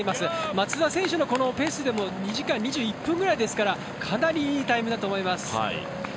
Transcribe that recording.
松田選手のこのペースでも２時間２１分ぐらいですからかなりいいタイムだと思います。